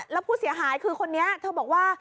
แล้วผู้เสียหายคือคนนี้เธอบอกว่า